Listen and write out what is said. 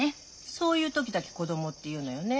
そういう時だけ子供って言うのよね。